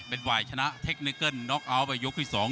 เป็นวายชนะเทคนิกเนิกเกิ้ลกรณ์น๊อกออกไปยกที่สอง